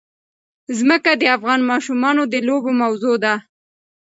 ځمکه د افغان ماشومانو د لوبو موضوع ده.